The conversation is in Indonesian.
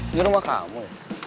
ini rumah kamu